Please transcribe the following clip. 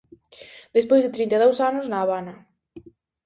Despois de trinta e dous anos na Habana.